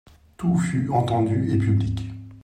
Tout fut entendu et public.